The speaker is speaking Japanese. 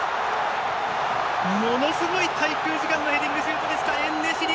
ものすごい滞空時間のヘディングシュートでしたエンネシリ。